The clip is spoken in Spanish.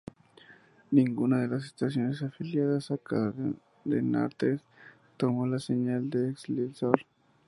Ninguna de las estaciones afiliadas a cadenatres tomó la señal de Excelsior tv.